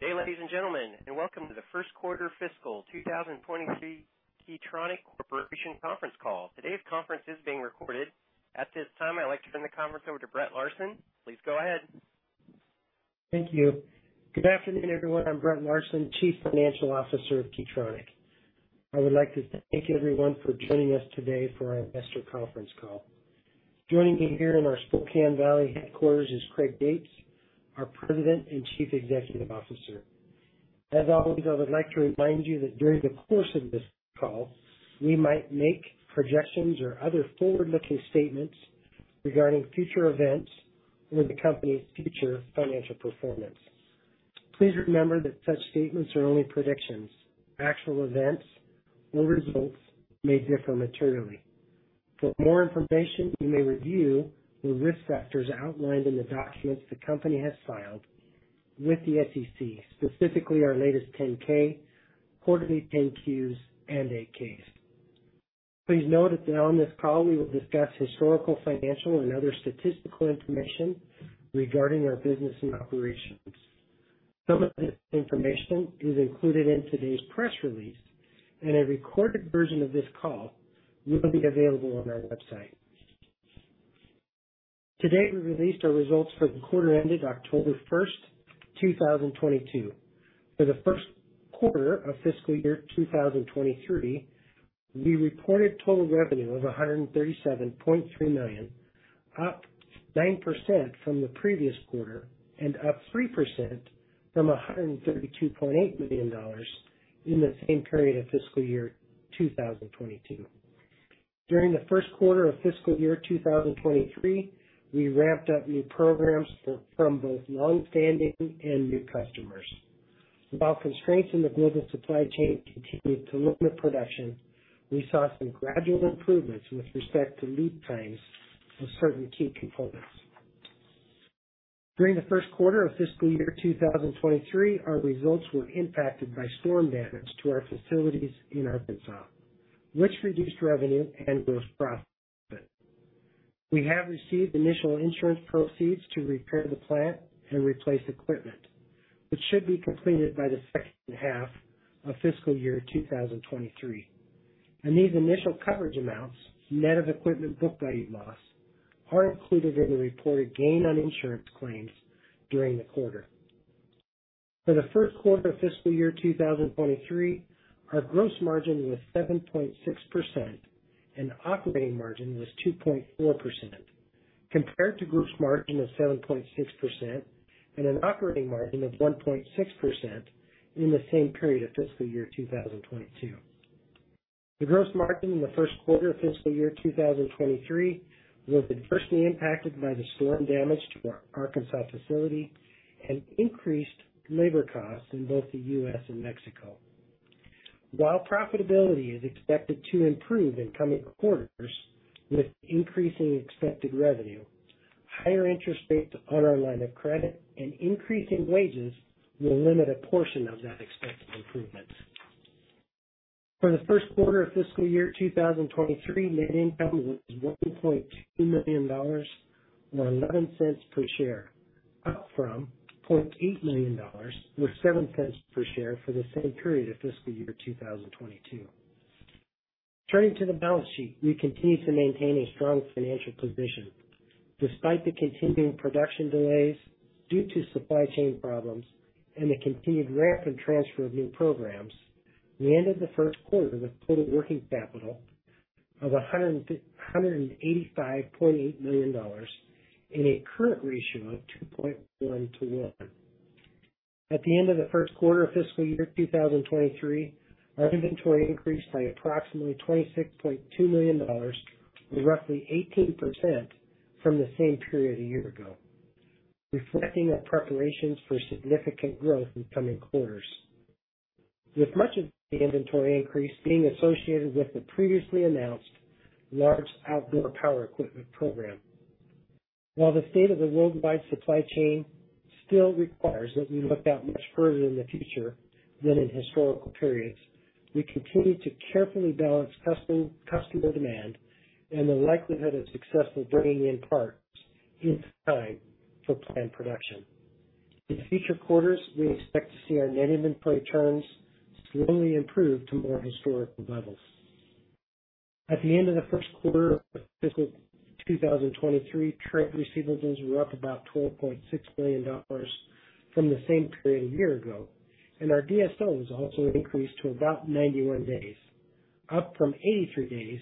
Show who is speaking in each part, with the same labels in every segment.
Speaker 1: Good day, ladies and gentlemen, and welcome to the first quarter fiscal 2023 Key Tronic Corporation conference call. Today's conference is being recorded. At this time, I'd like to turn the conference over to Brett Larsen. Please go ahead.
Speaker 2: Thank you. Good afternoon, everyone. I'm Brett R. Larsen, Chief Financial Officer of Key Tronic. I would like to thank you everyone for joining us today for our investor conference call. Joining me here in our Spokane Valley headquarters is Craig D. Gates, our President and Chief Executive Officer. As always, I would like to remind you that during the course of this call, we might make projections or other forward-looking statements regarding future events or the company's future financial performance. Please remember that such statements are only predictions. Actual events or results may differ materially. For more information, you may review the risk factors outlined in the documents the company has filed with the SEC, specifically our latest 10-K, quarterly 10-Qs, and 8-K. Please note that on this call, we will discuss historical, financial, and other statistical information regarding our business and operations. Some of this information is included in today's press release, and a recorded version of this call will be available on our website. Today, we released our results for the quarter ended October 1, 2022. For the first quarter of fiscal year 2023, we reported total revenue of $137.3 million, up 9% from the previous quarter, and up 3% from $132.8 million in the same period of fiscal year 2022. During the first quarter of fiscal year 2023, we ramped up new programs from both longstanding and new customers. While constraints in the global supply chain continued to limit production, we saw some gradual improvements with respect to lead times for certain key components. During the first quarter of fiscal year 2023, our results were impacted by storm damage to our facilities in Arkansas, which reduced revenue and gross profit. We have received initial insurance proceeds to repair the plant and replace equipment, which should be completed by the second half of fiscal year 2023. These initial coverage amounts, net of equipment book value loss, are included in the reported gain on insurance claims during the quarter. For the first quarter of fiscal year 2023, our gross margin was 7.6% and operating margin was 2.4% compared to gross margin of 7.6% and an operating margin of 1.6% in the same period of fiscal year 2022. The gross margin in the first quarter of fiscal year 2023 was adversely impacted by the storm damage to our Arkansas facility and increased labor costs in both the U.S. and Mexico. While profitability is expected to improve in coming quarters with increasing expected revenue, higher interest rates on our line of credit and increase in wages will limit a portion of that expected improvement. For the first quarter of fiscal year 2023, net income was $1.2 million, or $0.11 Per share, up from $0.8 million, or $0.07 Per share for the same period of fiscal year 2022. Turning to the balance sheet, we continue to maintain a strong financial position. Despite the continuing production delays due to supply chain problems and the continued rapid transfer of new programs, we ended the first quarter with total working capital of $185.8 million and a current ratio of 2.1 to 1. At the end of the first quarter of fiscal year 2023, our inventory increased by approximately $26.2 million to roughly 18% from the same period a year ago, reflecting our preparations for significant growth in coming quarters, with much of the inventory increase being associated with the previously announced large outdoor power equipment program. While the state of the worldwide supply chain still requires that we look out much further in the future than in historical periods, we continue to carefully balance customer demand and the likelihood of successfully bringing in parts in time for planned production. In future quarters, we expect to see our net inventory turns slowly improve to more historical levels. At the end of the first quarter of fiscal 2023, trade receivables were up about $12.6 million from the same period a year ago, and our DSO was also increased to about 91 days, up from 83 days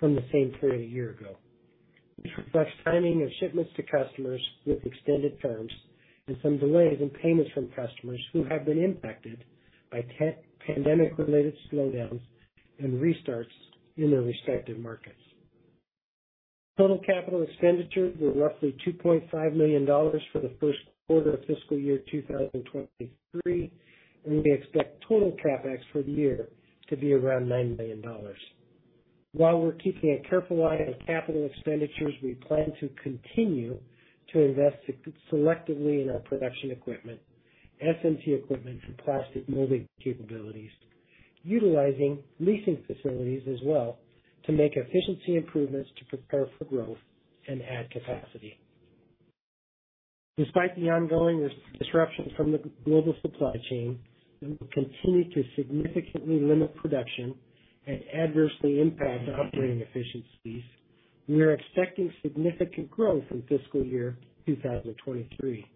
Speaker 2: from the same period a year ago, which reflects timing of shipments to customers with extended terms and some delays in payments from customers who have been impacted by pandemic related slowdowns and restarts in their respective markets. Total capital expenditures were roughly $2.5 million for the first quarter of fiscal year 2023, and we expect total CapEx for the year to be around $9 million. While we're keeping a careful eye on capital expenditures, we plan to continue to invest selectively in our production equipment, SMT equipment for plastic molding capabilities, utilizing leasing facilities as well to make efficiency improvements to prepare for growth and add capacity. Despite the ongoing disruptions from the global supply chain that will continue to significantly limit production and adversely impact operating efficiencies, we are expecting significant growth in fiscal year 2023.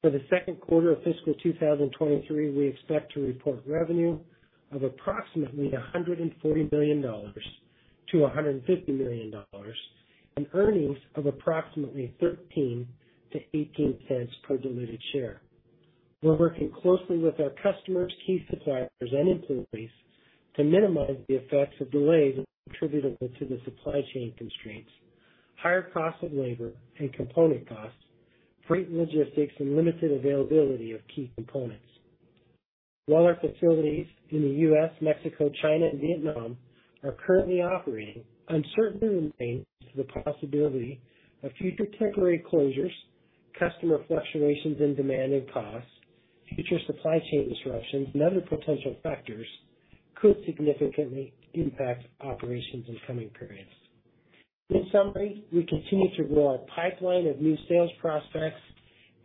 Speaker 2: For the second quarter of fiscal 2023, we expect to report revenue of approximately $140 million-$150 million, and earnings of approximately $0.13-$0.18 per diluted share. We're working closely with our customers, key suppliers, and employees to minimize the effects of delays attributable to the supply chain constraints, higher costs of labor and component costs, freight and logistics, and limited availability of key components. While our facilities in the U.S., Mexico, China, and Vietnam are currently operating, uncertainty remains as to the possibility of future temporary closures, customer fluctuations in demand and costs, future supply chain disruptions, and other potential factors could significantly impact operations in coming periods. In summary, we continue to grow our pipeline of new sales prospects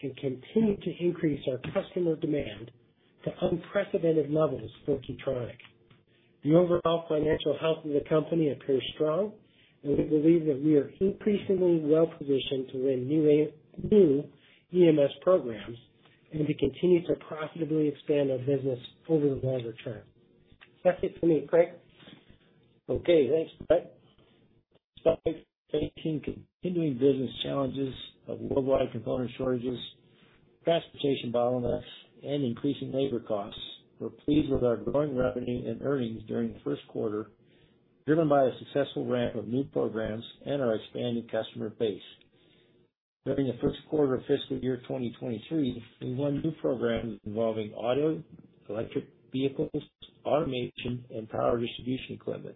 Speaker 2: and continue to increase our customer demand to unprecedented levels for Key Tronic. The overall financial health of the company appears strong, and we believe that we are increasingly well-positioned to win new EMS programs and to continue to profitably expand our business over the longer term. Back to you, Craig.
Speaker 3: Okay, thanks, Brett. Despite facing continuing business challenges of worldwide component shortages, transportation bottlenecks, and increasing labor costs, we're pleased with our growing revenue and earnings during the first quarter, driven by a successful ramp of new programs and our expanding customer base. During the first quarter of fiscal year 2023, we won new programs involving auto, electric vehicles, automation, and power distribution equipment.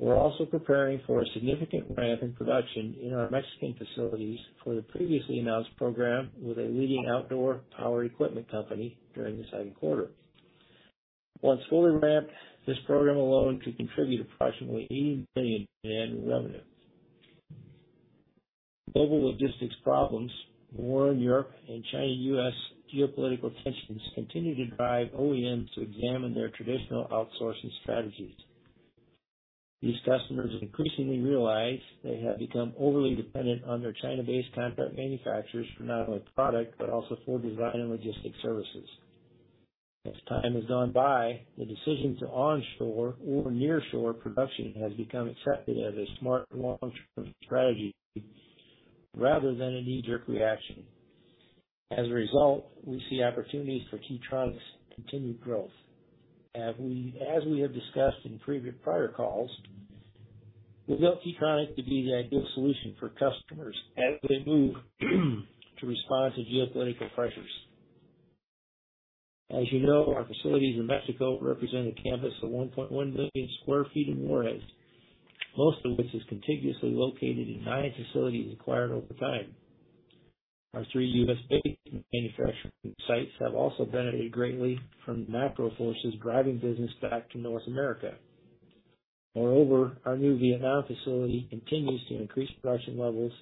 Speaker 3: We're also preparing for a significant ramp in production in our Mexican facilities for the previously announced program with a leading outdoor power equipment company during the second quarter. Once fully ramped, this program alone could contribute approximately $80 million in annual revenue. Global logistics problems, war in Europe, and China-U.S. geopolitical tensions continue to drive OEMs to examine their traditional outsourcing strategies. These customers increasingly realize they have become overly dependent on their China-based contract manufacturers for not only product but also for design and logistics services. As time has gone by, the decision to onshore or nearshore production has become accepted as a smart long-term strategy rather than a knee-jerk reaction. As a result, we see opportunities for Key Tronic's continued growth. As we have discussed in previous calls, we built Key Tronic to be the ideal solution for customers as they move to respond to geopolitical pressures. As you know, our facilities in Mexico represent a campus of 1.1 million sq ft of warehouse, most of which is contiguously located in nine facilities acquired over time. Our three U.S.-based manufacturing sites have also benefited greatly from macro forces driving business back to North America. Moreover, our new Vietnam facility continues to increase production levels,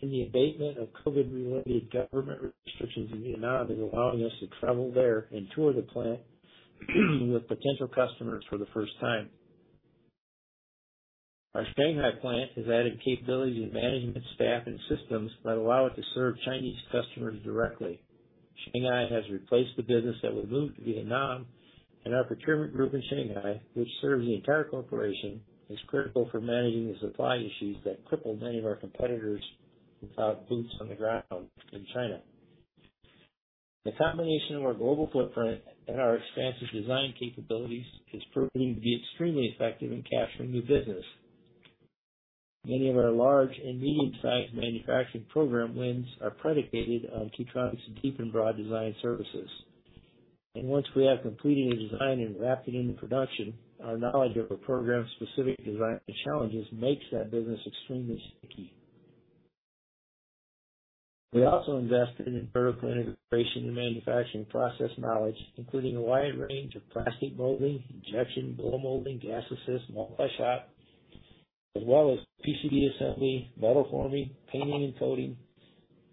Speaker 3: and the abatement of COVID-related government restrictions in Vietnam is allowing us to travel there and tour the plant with potential customers for the first time. Our Shanghai plant has added capabilities in management, staff, and systems that allow it to serve Chinese customers directly. Shanghai has replaced the business that we moved to Vietnam, and our procurement group in Shanghai, which serves the entire corporation, is critical for managing the supply issues that crippled many of our competitors without boots on the ground in China. The combination of our global footprint and our expansive design capabilities is proving to be extremely effective in capturing new business. Many of our large and medium-sized manufacturing program wins are predicated on Key Tronic's deep and broad design services. Once we have completed a design and wrapped it into production, our knowledge of a program's specific design challenges makes that business extremely sticky. We also invested in vertical integration and manufacturing process knowledge, including a wide range of plastic molding, injection, blow molding, gas assist, multi-shot, as well as PCB assembly, metal forming, painting and coating,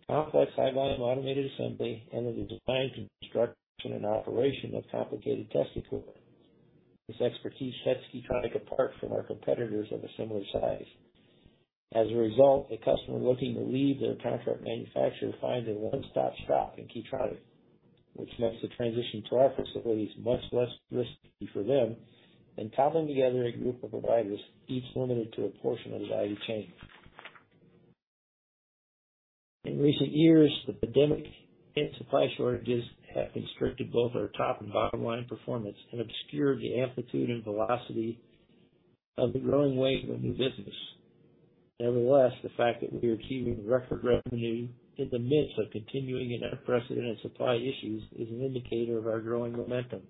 Speaker 3: complex high-volume automated assembly, and the design, construction, and operation of complicated test equipment. This expertise sets Key Tronic apart from our competitors of a similar size. As a result, a customer looking to leave their contract manufacturer finds a one-stop shop in Key Tronic, which makes the transition to our facilities much less risky for them than cobbling together a group of providers, each limited to a portion of the value chain. In recent years, the pandemic and supply shortages have constricted both our top and bottom line performance and obscured the amplitude and velocity of the growing wave of new business. Nevertheless, the fact that we are achieving record revenue in the midst of continuing and unprecedented supply issues is an indicator of our growing momentum.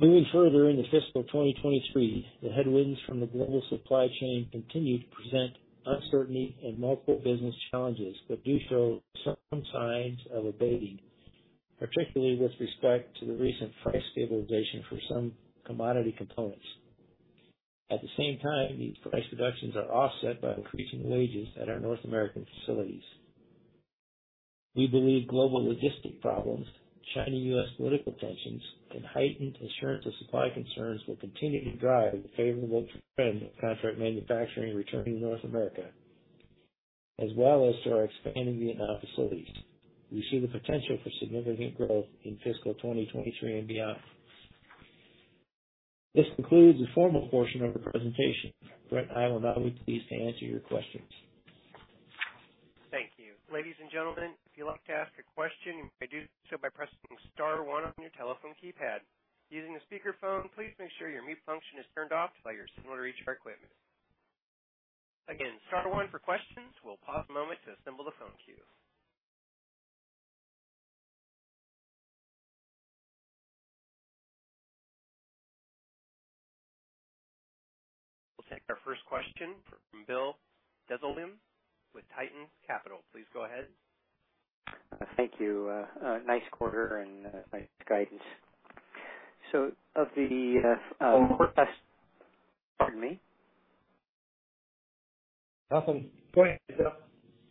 Speaker 3: Moving further into fiscal 2023, the headwinds from the global supply chain continue to present uncertainty and multiple business challenges, but do show some signs of abating, particularly with respect to the recent price stabilization for some commodity components. At the same time, these price reductions are offset by increasing wages at our North American facilities. We believe global logistic problems, China-U.S. political tensions, and heightened assurance of supply concerns will continue to drive the favorable trend of contract manufacturing returning to North America. As well as to our expanding Vietnam facilities. We see the potential for significant growth in fiscal 2023 and beyond. This concludes the formal portion of the presentation. Brett and I will now be pleased to answer your questions.
Speaker 1: Thank you. Ladies and gentlemen, if you'd like to ask a question, you may do so by pressing star one on your telephone keypad. Using the speakerphone, please make sure your mute function is turned off by your similar HGR equipment. Again, star one for questions. We'll pause a moment to assemble the phone queue. We'll take our first question from Bill Dezellem with Tieton Capital. Please go ahead.
Speaker 4: Thank you. Nice quarter and nice guidance. Pardon me.
Speaker 2: Nothing. Go ahead, Bill.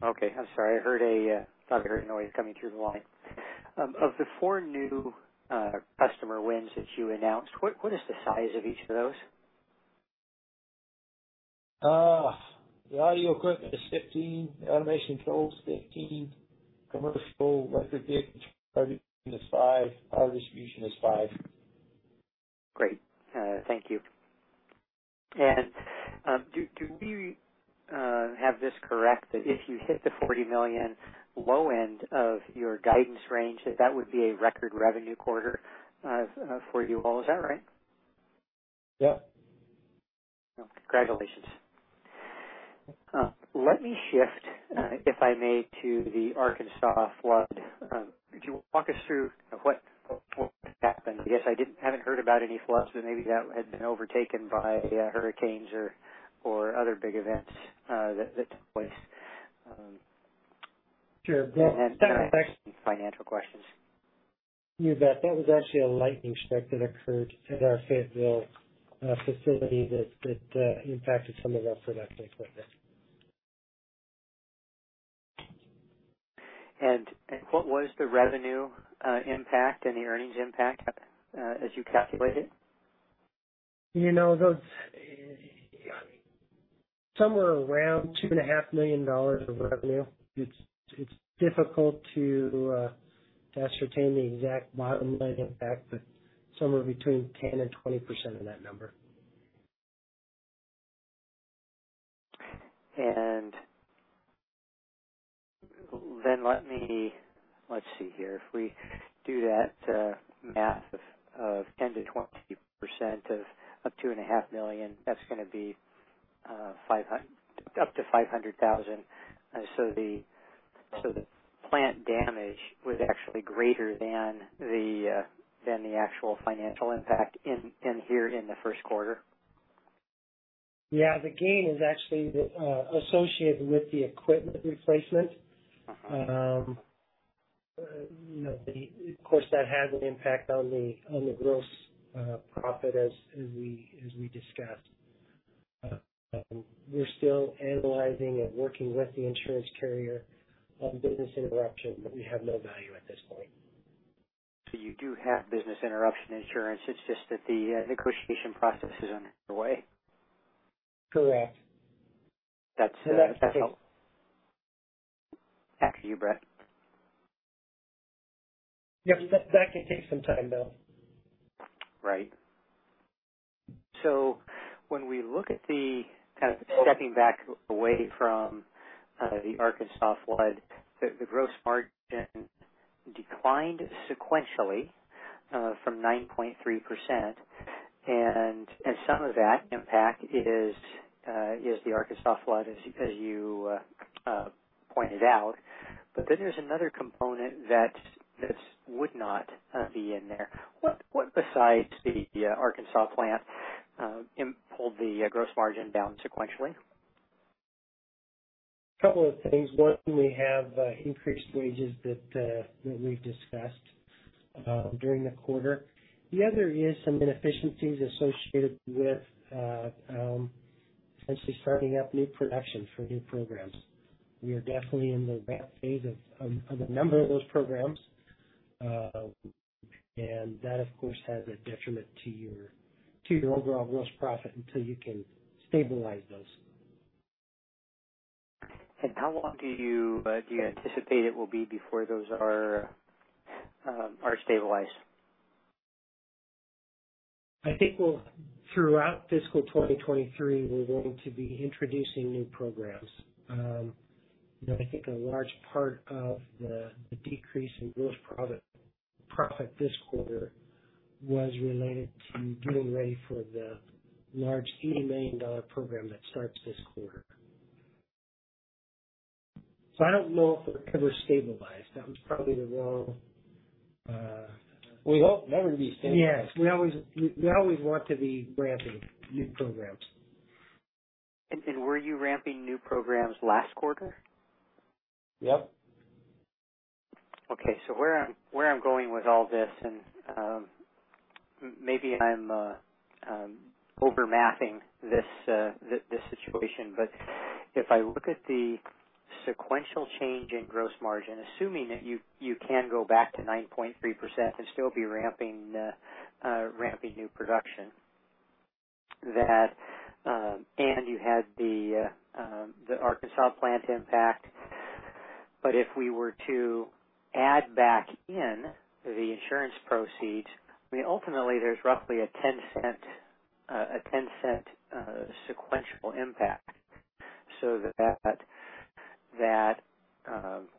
Speaker 4: Okay. I'm sorry. I thought I heard a noise coming through the line. Of the four new customer wins that you announced, what is the size of each of those?
Speaker 2: The audio equipment is 15. The automation controls, 15. Commercial product production is five. Power distribution is five.
Speaker 4: Great. Thank you. Do we have this correct, that if you hit the $40 million low end of your guidance range, that would be a record revenue quarter for you all? Is that right?
Speaker 2: Yeah.
Speaker 4: Well, congratulations. Let me shift, if I may, to the Arkansas flood. Could you walk us through what happened? I guess I haven't heard about any floods, but maybe that had been overtaken by hurricanes or other big events that took place.
Speaker 2: Sure.
Speaker 4: I have some financial questions.
Speaker 2: You bet. That was actually a lightning strike that occurred at our Fayetteville facility that impacted some of our production equipment.
Speaker 4: What was the revenue impact and the earnings impact as you calculate it?
Speaker 2: You know, somewhere around $2.5 million of revenue. It's difficult to ascertain the exact bottom line impact, but somewhere between 10% and 20% of that number.
Speaker 4: If we do that, math of 10%-20% of $2.5 million, that's gonna be up to $500,000. So the plant damage was actually greater than the actual financial impact in the first quarter.
Speaker 2: Yeah. The gain is actually associated with the equipment replacement.
Speaker 4: Mm-hmm.
Speaker 2: You know, of course, that has an impact on the gross profit as we discussed. We're still analyzing and working with the insurance carrier on business interruption, but we have no value at this point.
Speaker 4: You do have business interruption insurance. It's just that the negotiation process is underway.
Speaker 2: Correct.
Speaker 4: That's helpful. Back to you, Brett.
Speaker 2: Yep. That can take some time, though.
Speaker 4: Right. So when we look at the kind of stepping back away from the Arkansas flood, the gross margin declined sequentially from 9.3%. Some of that impact is the Arkansas flood as you pointed out. Then there's another component that this would not be in there. What besides the Arkansas plant pulled the gross margin down sequentially?
Speaker 2: A couple of things. One, we have increased wages that we've discussed during the quarter. The other is some inefficiencies associated with essentially starting up new production for new programs. We are definitely in the ramp phase of a number of those programs. That, of course, has a detriment to your overall gross profit until you can stabilize those.
Speaker 4: How long do you anticipate it will be before those are stabilized?
Speaker 2: I think we'll throughout fiscal 2023, we're going to be introducing new programs. You know, I think a large part of the decrease in gross profit this quarter was related to getting ready for the large $80 million program that starts this quarter.
Speaker 3: I don't know if it'll ever stabilize. That was probably the wrong.
Speaker 2: We hope never to be stabilized. Yes. We always want to be ramping new programs.
Speaker 4: Were you ramping new programs last quarter?
Speaker 2: Yep.
Speaker 4: Okay. Where I'm going with all this, maybe I'm over-mathing this situation. If I look at the sequential change in gross margin, assuming that you can go back to 9.3% and still be ramping new production, you had the Arkansas plant impact. If we were to add back in the insurance proceeds, I mean, ultimately, there's roughly a $0.10 sequential impact, so that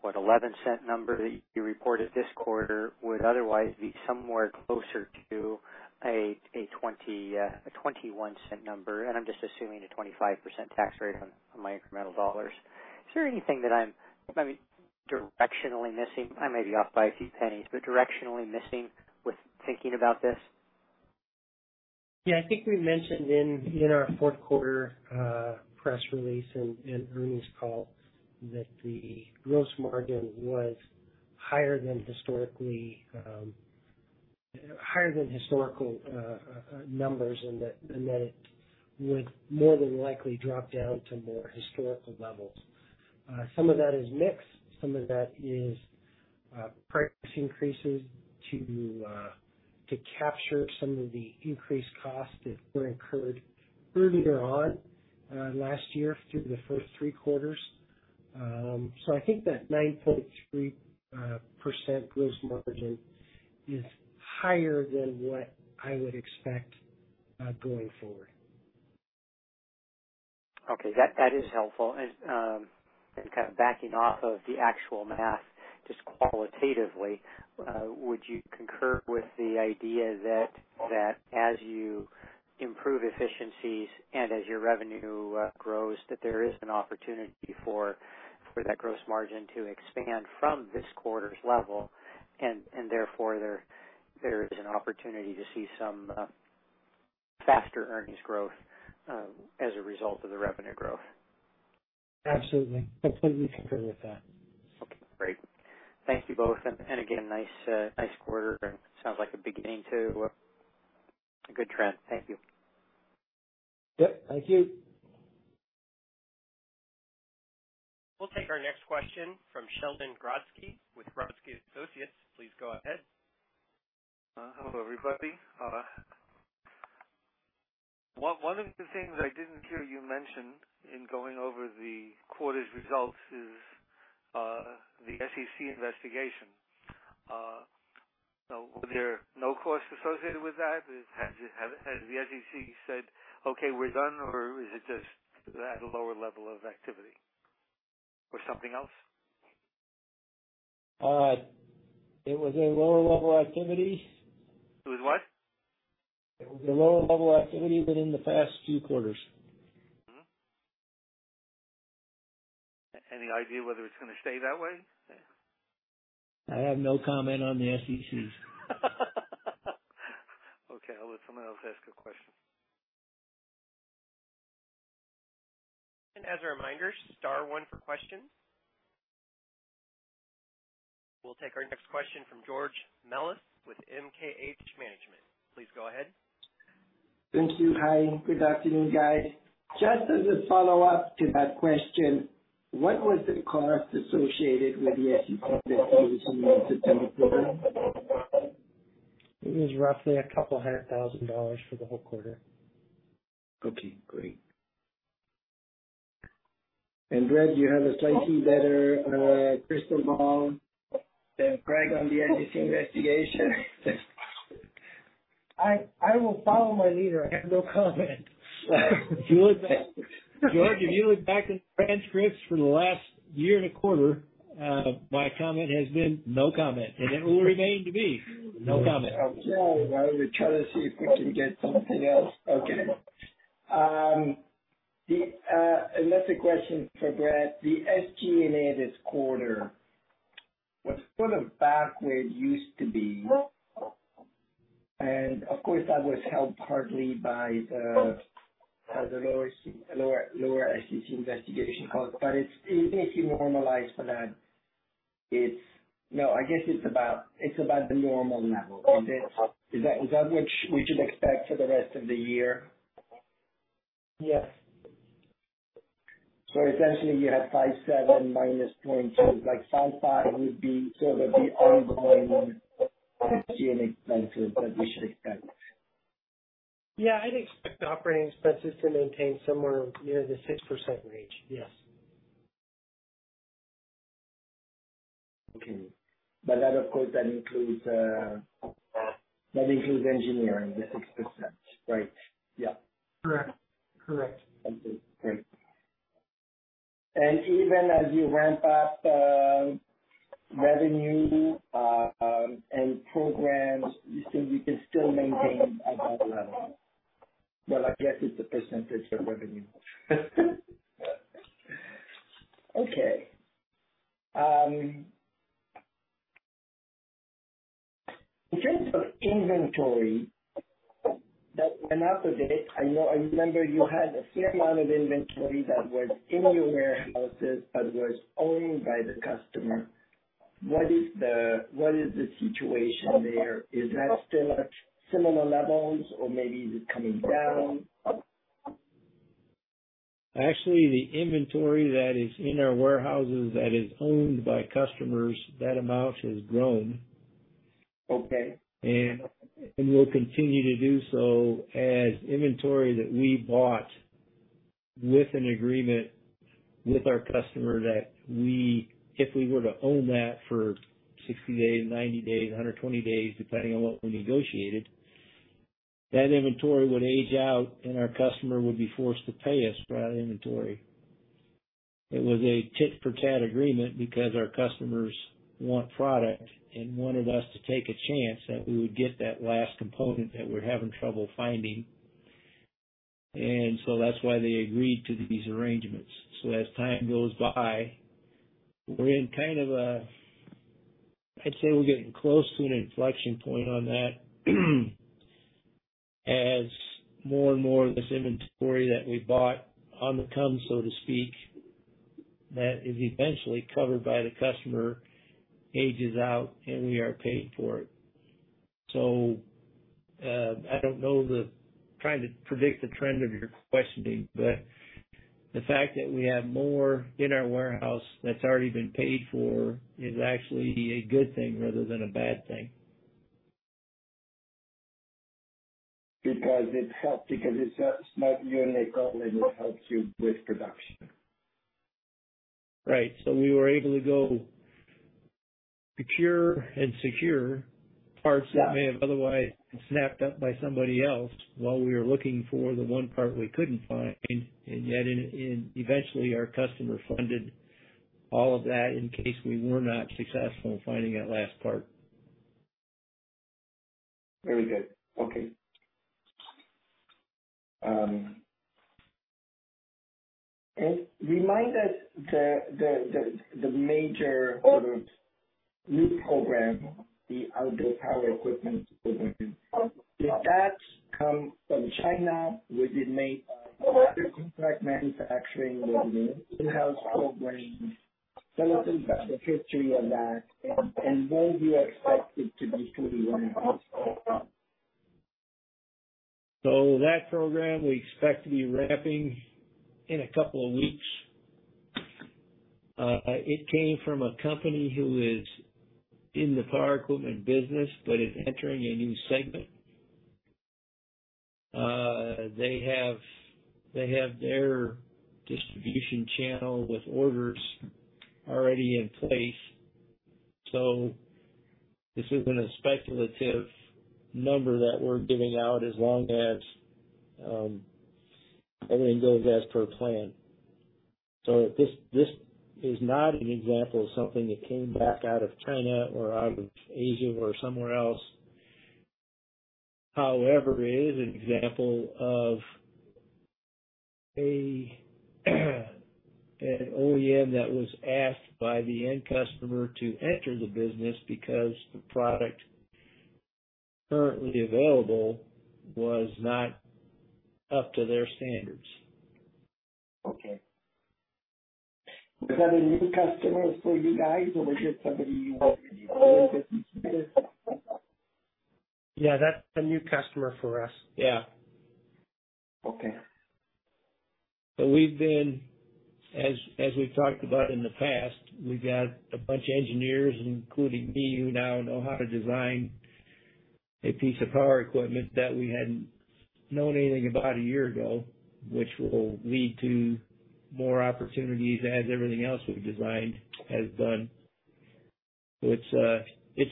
Speaker 4: what $0.11 number that you reported this quarter would otherwise be somewhere closer to a $0.21 number. I'm just assuming a 25% tax rate on my incremental dollars. Is there anything that I'm maybe directionally missing? I may be off by a few pennies, but directionally missing with thinking about this?
Speaker 2: Yeah. I think we mentioned in our fourth quarter press release and earnings call that the gross margin was higher than historical numbers, and that it would more than likely drop down to more historical levels. Some of that is mix. Some of that is price increases to capture some of the increased costs that were incurred earlier on last year through the first three quarters. I think that 9.3% gross margin is higher than what I would expect going forward.
Speaker 4: Okay. That is helpful. Kind of backing off of the actual math, just qualitatively, would you concur with the idea that as you improve efficiencies and as your revenue grows, that there is an opportunity for that gross margin to expand from this quarter's level, and therefore there is an opportunity to see some faster earnings growth as a result of the revenue growth?
Speaker 2: Absolutely. Completely concur with that.
Speaker 4: Okay, great. Thank you both. Again, nice quarter and sounds like a beginning to a good trend. Thank you.
Speaker 2: Yep. Thank you.
Speaker 1: We'll take our next question from Sheldon Grodsky with Grodsky Associates. Please go ahead.
Speaker 5: Hello, everybody. One of the things I didn't hear you mention in going over the quarter's results is the SEC investigation. Were there no costs associated with that? Has the SEC said, "Okay, we're done," or is it just at a lower level of activity or something else?
Speaker 2: It was a lower level activity.
Speaker 5: It was what?
Speaker 2: It was a lower level activity than in the past few quarters.
Speaker 5: Any idea whether it's gonna stay that way?
Speaker 2: I have no comment on the SEC.
Speaker 5: Okay, I'll let someone else ask a question.
Speaker 1: As a reminder, star one for questions. We'll take our next question from George Melas-Kyriazi with MKH Management. Please go ahead.
Speaker 6: Thank you. Hi, good afternoon, guys. Just as a follow-up to that question, what was the cost associated with the SEC investigation into Teleperformance?
Speaker 2: It was roughly $200,000 for the whole quarter.
Speaker 6: Okay, great. Brett R. Larsen, do you have a slightly better crystal ball than Craig D. Gates on the SEC investigation?
Speaker 2: I will follow my leader. I have no comment.
Speaker 3: George, if you look back at the transcripts for the last year and a quarter, my comment has been no comment, and it will remain to be no comment.
Speaker 6: Okay. Well, I would try to see if we can get something else. Okay. Another question for Brett. The SG&A this quarter was sort of back where it used to be. Of course, that was helped partly by the lower SEC investigation cost. But it's, if you normalize for that, it's. No, I guess it's about the normal level. Is that what we should expect for the rest of the year?
Speaker 2: Yes.
Speaker 6: Essentially, you have 57 minus 20. Like, 55 would be sort of the ongoing SG&A expenses that we should expect.
Speaker 2: Yeah. I'd expect operating expenses to maintain somewhere near the 6% range. Yes.
Speaker 6: Okay. That, of course, includes engineering, the 6%, right? Yeah.
Speaker 2: Correct.
Speaker 6: Okay, great. Even as you ramp up revenue and programs, you think we can still maintain about that level? Well, I guess it's a percentage of revenue. Okay. In terms of inventory that went out the gate, I know I remember you had a fair amount of inventory that was in your warehouses that was owned by the customer. What is the situation there? Is that still at similar levels or maybe is it coming down?
Speaker 3: Actually, the inventory that is in our warehouses that is owned by customers, that amount has grown.
Speaker 6: Okay.
Speaker 3: will continue to do so as inventory that we bought with an agreement with our customer that we, if we were to own that for 60 days, 90 days, 120 days, depending on what we negotiated, that inventory would age out, and our customer would be forced to pay us for that inventory. It was a tit for tat agreement because our customers want product and wanted us to take a chance that we would get that last component that we're having trouble finding. That's why they agreed to these arrangements. As time goes by, we're in kind of a. I'd say we're getting close to an inflection point on that, as more and more of this inventory that we bought on the come, so to speak, that is eventually covered by the customer, ages out, and we are paid for it. I don't know, trying to predict the trend of your questioning, but the fact that we have more in our warehouse that's already been paid for is actually a good thing rather than a bad thing.
Speaker 6: Because it helped, because it's not a union problem, it helps you with production.
Speaker 3: Right. We were able to go procure and secure parts.
Speaker 6: Yeah.
Speaker 3: That may have otherwise been snapped up by somebody else while we were looking for the one part we couldn't find. Yet eventually our customer funded all of that in case we were not successful in finding that last part.
Speaker 6: Very good. Okay. Remind us the major sort of new program, the outdoor power equipment program. Did that come from China? Was it made under contract manufacturing or an in-house program? Tell us a bit about the history of that and when do you expect it to be fully ramped?
Speaker 3: That program we expect to be ramping in a couple of weeks. It came from a company who is in the power equipment business but is entering a new segment. They have their distribution channel with orders already in place. This isn't a speculative number that we're giving out as long as everything goes as per plan. This is not an example of something that came back out of China or out of Asia or somewhere else. However, it is an example of an OEM that was asked by the end customer to enter the business because the product currently available was not up to their standards.
Speaker 6: Okay. Was that a new customer for you guys, or was it somebody you worked with previously?
Speaker 3: Yeah, that's a new customer for us. Yeah.
Speaker 6: Okay.
Speaker 3: As we've talked about in the past, we've got a bunch of engineers, including me, who now know how to design a piece of power equipment that we hadn't known anything about a year ago, which will lead to more opportunities as everything else we've designed has done. It's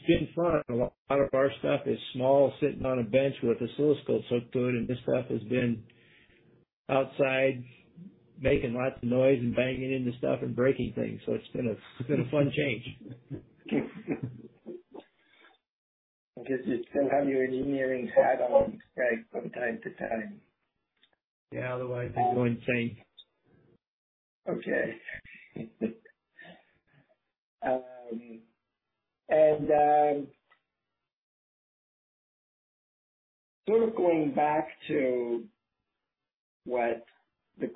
Speaker 3: been fun. A lot of our stuff is small, sitting on a bench with oscilloscope hooked to it, and this stuff has been outside making lots of noise and banging into stuff and breaking things. It's been a fun change.
Speaker 6: I guess you still have your engineering hat on, right, from time to time.
Speaker 3: Yeah. Otherwise, I go insane.
Speaker 6: Okay. Sort of going back to what the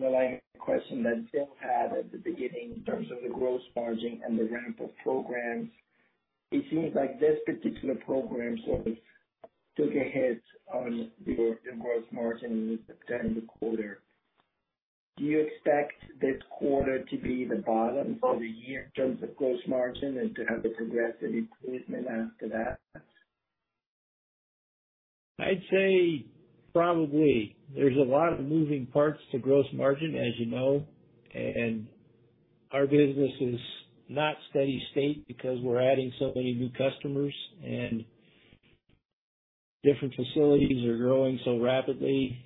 Speaker 6: line of questioning that Bill had at the beginning in terms of the gross margin and the ramp of programs, it seems like this particular program sort of took a hit on your the gross margin in the September quarter. Do you expect this quarter to be the bottom for the year in terms of gross margin and to have a progressive improvement after that?
Speaker 3: I'd say probably. There's a lot of moving parts to gross margin, as you know. Our business is not steady state because we're adding so many new customers, and different facilities are growing so rapidly.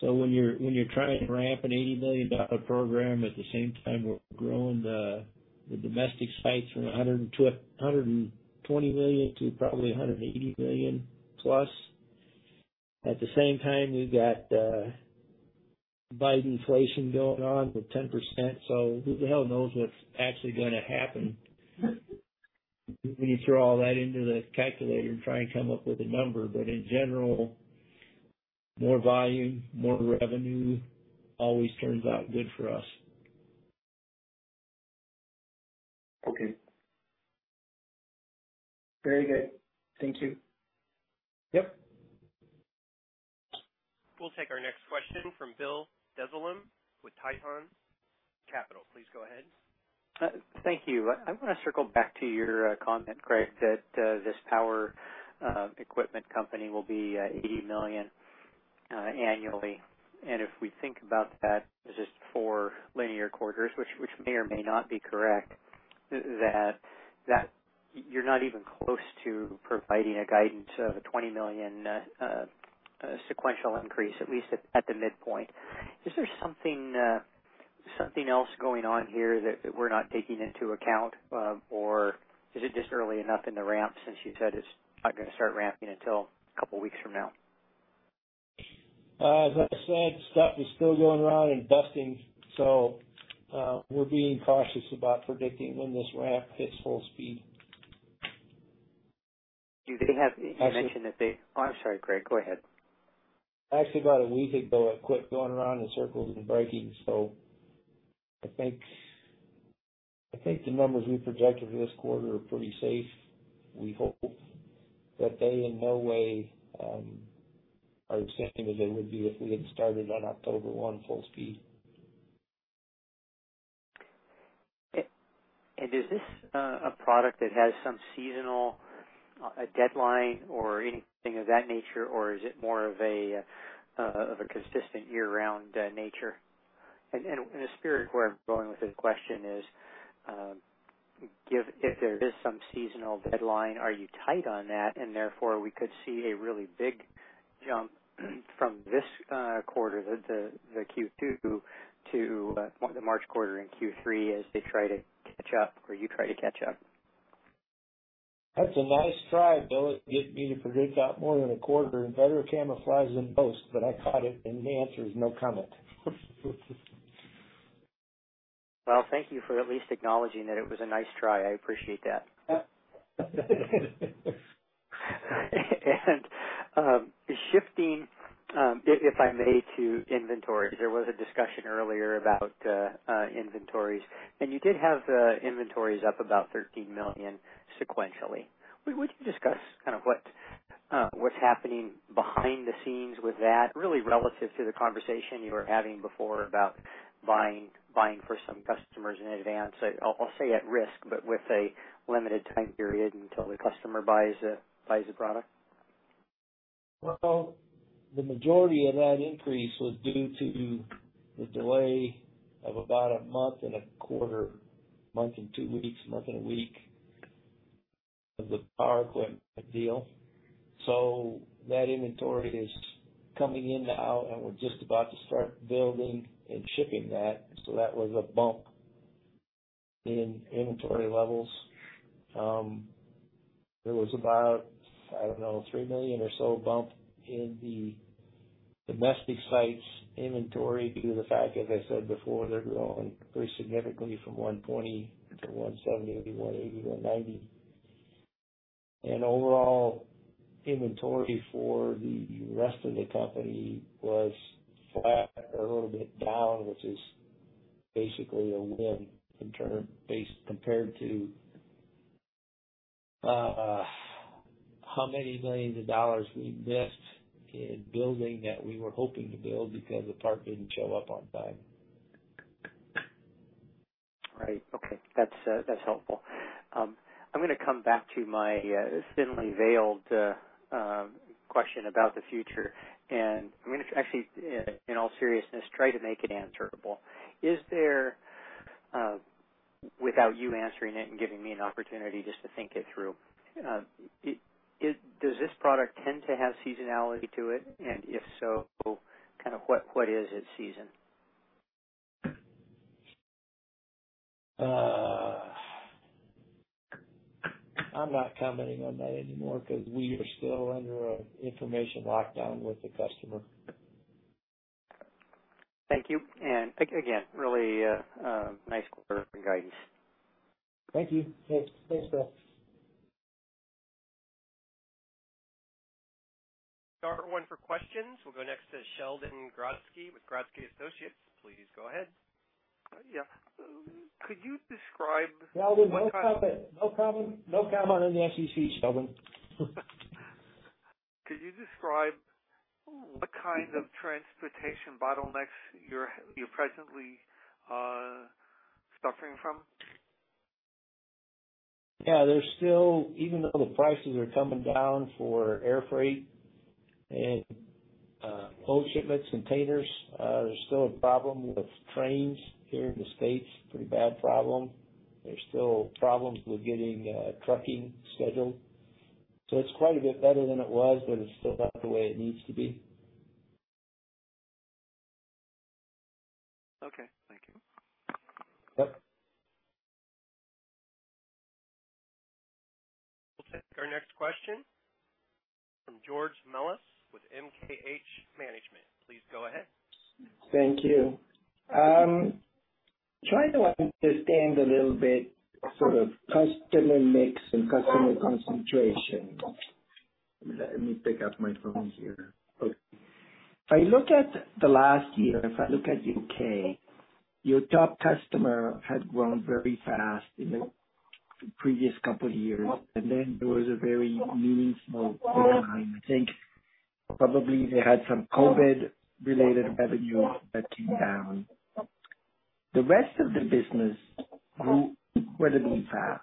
Speaker 3: When you're trying to ramp an $80 million program at the same time, we're growing the domestic sites from $120 million to probably $180 million plus. At the same time, we've got biting inflation going on with 10%, so who the hell knows what's actually gonna happen. When you throw all that into the calculator and try and come up with a number. In general, more volume, more revenue always turns out good for us.
Speaker 6: Okay. Very good. Thank you.
Speaker 3: Yep.
Speaker 1: We'll take our next question from Bill Dezellem with Tieton Capital. Please go ahead.
Speaker 4: Thank you. I wanna circle back to your comment, Craig, that this power equipment company will be $80 million annually. If we think about that, just for linear quarters, which may or may not be correct, that you're not even close to providing a guidance of a $20 million sequential increase, at least at the midpoint. Is there something else going on here that we're not taking into account? Or is it just early enough in the ramp since you said it's not gonna start ramping until a couple weeks from now?
Speaker 3: As I said, stuff is still going around and dusting, so we're being cautious about predicting when this ramp hits full speed.
Speaker 4: You did have-
Speaker 3: Actually-
Speaker 4: Oh, I'm sorry, Craig, go ahead.
Speaker 3: Actually, about a week ago, it quit going around in circles and breaking. I think the numbers we projected for this quarter are pretty safe. We hope that they in no way are the same as they would be if we had started on October one, full speed.
Speaker 4: Is this a product that has some seasonal deadline or anything of that nature? Or is it more of a consistent year-round nature? The spirit where I'm going with this question is if there is some seasonal deadline, are you tight on that, and therefore we could see a really big jump from this quarter, the Q2 to the March quarter in Q3 as they try to catch up or you try to catch up?
Speaker 3: That's a nice try, Bill, to get me to predict out more than a quarter and better camouflage than most, but I caught it, and the answer is, no comment.
Speaker 4: Well, thank you for at least acknowledging that it was a nice try. I appreciate that. Shifting, if I may, to inventory. There was a discussion earlier about inventories, and you did have inventories up about $13 million sequentially. Would you discuss kind of what's happening behind the scenes with that, really relative to the conversation you were having before about buying for some customers in advance, I'll say at risk, but with a limited time period until the customer buys the product?
Speaker 3: Well, the majority of that increase was due to the delay of about a month and a quarter, month and two weeks, month and a week of the power equipment deal. That inventory is coming in now, and we're just about to start building and shipping that. That was a bump in inventory levels. There was about, I don't know, $3 million or so bump in the domestic site's inventory due to the fact, as I said before, they're growing pretty significantly from 1.0 to 1.70 to 1.80 to 1.90. Overall inventory for the rest of the company was flat or a little bit down, which is basically a win in term base compared to how many millions of dollars we missed in building that we were hoping to build because a part didn't show up on time.
Speaker 4: Right. Okay. That's helpful. I'm gonna come back to my thinly veiled question about the future. I'm gonna actually, in all seriousness, try to make it answerable. Is there, without you answering it and giving me an opportunity just to think it through, does this product tend to have seasonality to it? If so, kind of what is its season?
Speaker 3: I'm not commenting on that anymore because we are still under an information lockdown with the customer.
Speaker 4: Thank you. Again, really, a nice quarter for guidance.
Speaker 3: Thank you. Thanks. Thanks, Bill.
Speaker 1: We're open for questions. We'll go next to Sheldon Grodsky with Grodsky Associates. Please go ahead.
Speaker 5: Yeah. Could you describe?
Speaker 3: Sheldon, no comment. No comment. No comment on the SEC, Sheldon.
Speaker 5: Could you describe what kind of transportation bottlenecks you're presently suffering from?
Speaker 3: Yeah, there's still, even though the prices are coming down for air freight and ocean shipments, containers, there's still a problem with trains here in the States, pretty bad problem. There's still problems with getting trucking scheduled. It's quite a bit better than it was, but it's still not the way it needs to be.
Speaker 5: Okay. Thank you.
Speaker 3: Yep.
Speaker 1: We'll take our next question from George Melas-Kyriazi with MKH Management. Please go ahead.
Speaker 6: Thank you. Trying to understand a little bit sort of customer mix and customer concentration.
Speaker 3: Let me pick up my phone here.
Speaker 6: Okay. If I look at the last year, your top customer had grown very fast in the previous couple of years. Then there was a very meaningful decline. I think probably they had some COVID-related revenue that came down. The rest of the business grew incredibly fast.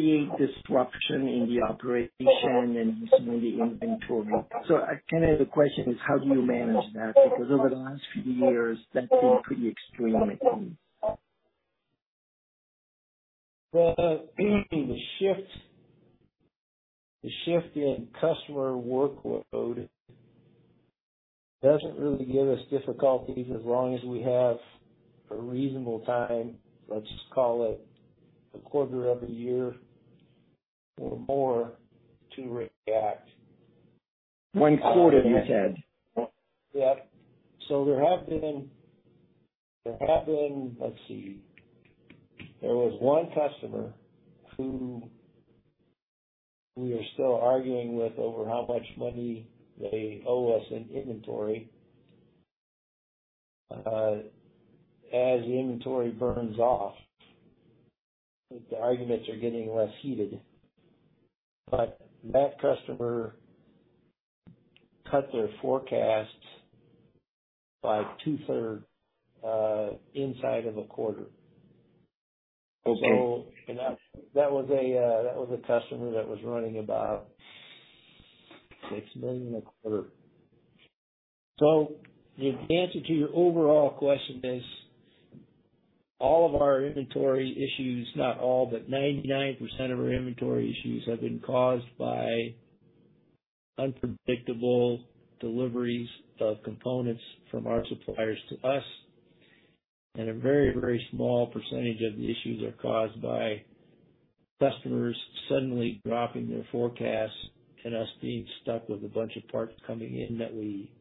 Speaker 6: Those kinds of mix changes, does that create disruption in the operation and suddenly inventory? Kinda the question is, how do you manage that? Because over the last few years, that's been pretty extreme at times.
Speaker 3: Well, the shift in customer workload doesn't really give us difficulties as long as we have a reasonable time, let's call it a quarter of a year or more to react.
Speaker 6: One quarter you said?
Speaker 3: Yeah. There have been. Let's see. There was one customer who we are still arguing with over how much money they owe us in inventory. As the inventory burns off, the arguments are getting less heated. That customer cut their forecast by two-thirds inside of a quarter.
Speaker 6: Okay.
Speaker 3: That was a customer that was running about $6 million a quarter. The answer to your overall question is, all of our inventory issues, not all, but 99% of our inventory issues have been caused by unpredictable deliveries of components from our suppliers to us. A very, very small percentage of the issues are caused by customers suddenly dropping their forecasts and us being stuck with a bunch of parts coming in that we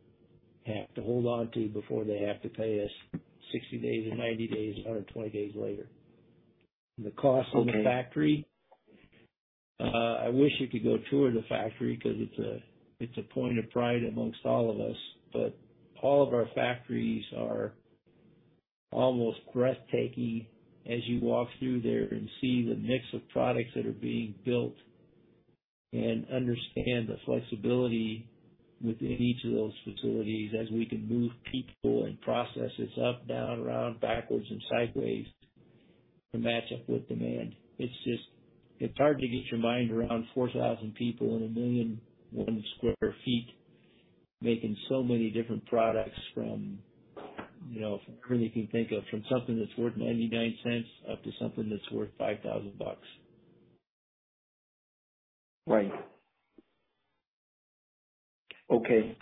Speaker 3: have to hold on to before they have to pay us 60 days or 90 days, 120 days later. The cost of the factory. I wish you could go tour the factory because it's a point of pride among all of us. All of our factories are almost breathtaking as you walk through there and see the mix of products that are being built and understand the flexibility within each of those facilities as we can move people and processes up, down, around, backwards and sideways to match up with demand. It's just, it's hard to get your mind around 4,000 people in 1,001 sq ft making so many different products from, you know, from really anything you can think of, from something that's worth $0.99 up to something that's worth $5,000.
Speaker 6: Right. Okay.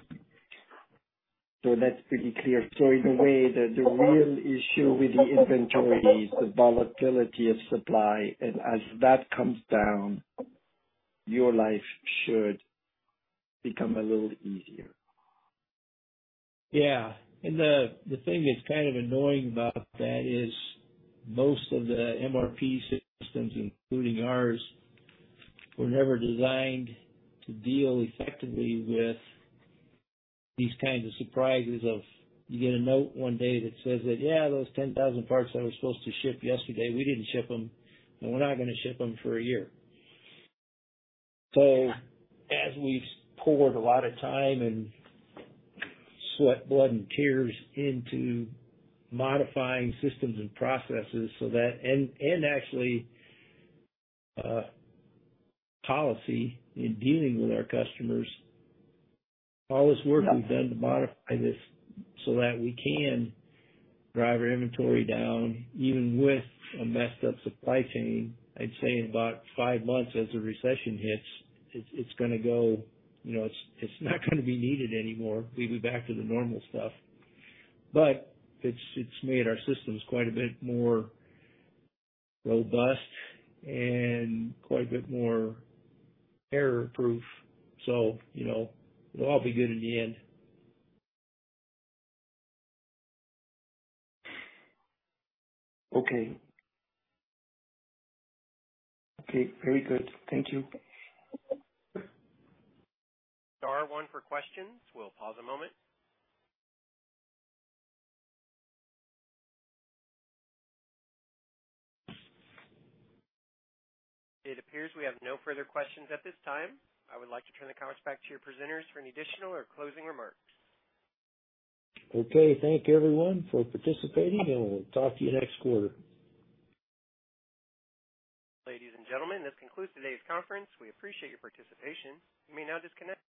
Speaker 6: That's pretty clear. In a way, the real issue with the inventory is the volatility of supply, and as that comes down, your life should become a little easier.
Speaker 3: Yeah. The thing that's kind of annoying about that is most of the MRP systems, including ours, were never designed to deal effectively with these kinds of surprises or you get a note one day that says that, "Yeah, those 10,000 parts that were supposed to ship yesterday, we didn't ship them, and we're not gonna ship them for a year." As we've poured a lot of time and sweat, blood and tears into modifying systems and processes so that and actually policy in dealing with our customers, all this work we've done to modify this so that we can drive our inventory down even with a messed up supply chain. I'd say in about five months, as the recession hits, it's gonna go, you know, it's not gonna be needed anymore. We'll be back to the normal stuff. It's made our systems quite a bit more robust and quite a bit more error-proof, so you know, it'll all be good in the end.
Speaker 6: Okay. Okay, very good. Thank you.
Speaker 1: Star one for questions. We'll pause a moment. It appears we have no further questions at this time. I would like to turn the conference back to your presenters for any additional or closing remarks.
Speaker 3: Okay. Thank you, everyone, for participating, and we'll talk to you next quarter.
Speaker 1: Ladies and gentlemen, this concludes today's conference. We appreciate your participation. You may now disconnect.